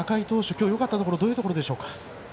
今日、よかったところはどういうところでしょうか。